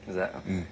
うん。